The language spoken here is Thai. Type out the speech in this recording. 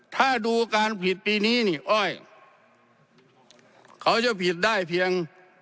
ถ้าดูการผิดปีนี้นี่อ้อยเขาจะผิดได้เพียง